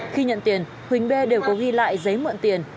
khi nhận tiền huỳnh b đều có ghi lại giấy mượn tiền